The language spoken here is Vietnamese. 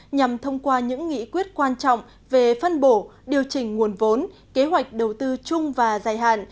nhằm thông qua những nghị quyết quan trọng về phân bổ điều chỉnh nguồn vốn kế hoạch đầu tư chung và dài hạn